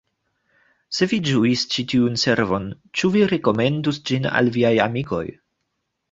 "Se vi ĝuis ĉi tiun servon ĉu vi rekomendus ĝin al viaj amikoj!